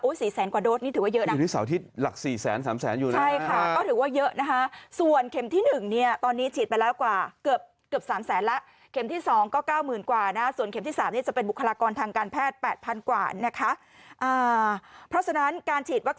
โอ๊ย๔แสนกว่าโดดนี่ถือว่าเยอะนะนะคะ